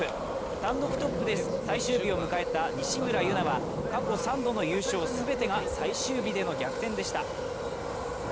単独トップで最終日を迎えた西村優菜は過去３度の優勝全てが最終日での逆転でした。